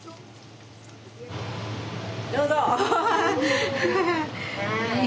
どうぞ！